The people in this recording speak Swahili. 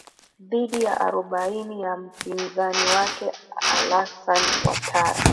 dhidi ya arobaini ya mpinzani wake alasan watara